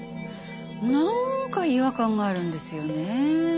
なんか違和感があるんですよねえ。